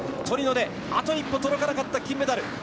トリノであと一歩届かなかった金メダル。